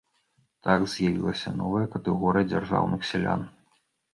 Так з'явілася новая катэгорыя дзяржаўных сялян.